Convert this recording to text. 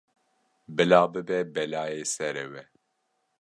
Bila bibe belayê serê we.